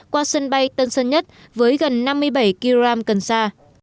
qua sân bay tân sơn nhất với gần năm mươi bảy kg cần sa